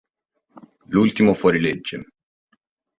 L'ultimo fuorilegge